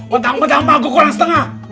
bentang bentang mago kurang setengah